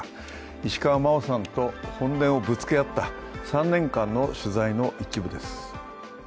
石川真生さんと本音をぶつけ合った３年間の取材の一部です。